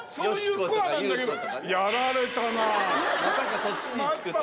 まさかそっちにつくとは。